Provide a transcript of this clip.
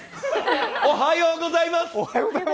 おはようございます！